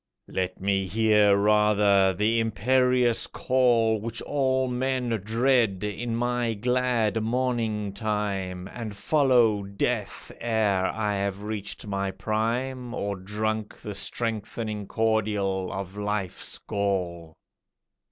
Let me hear rather the imperious call, Which all men dread, in my glad morning time, And follow death ere I have reached my prime, Or drunk the strengthening cordial of life's gall.